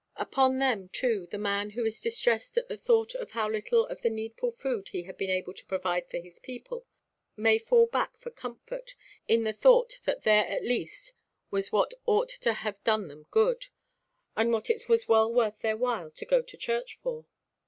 Upon them, too, the man who is distressed at the thought of how little of the needful food he had been able to provide for his people, may fall back for comfort, in the thought that there at least was what ought to have done them good, what it was well worth their while to go to church for.